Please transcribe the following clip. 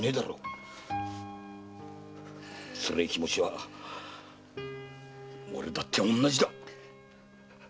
つらい気持は俺だって同じだ。